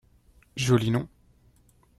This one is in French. Joli nom